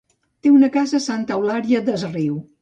Té una casa a Santa Eulària des Riu.